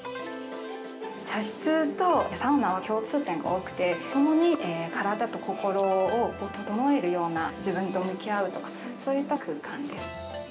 茶室とサウナは共通点が多くて、ともに体と心を整えるような、自分と向き合うと、そういった空間です。